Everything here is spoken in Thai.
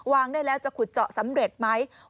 ได้แล้วจะขุดเจาะสำเร็จไหม